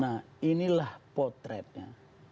nah inilah potretnya